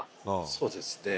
そうですね。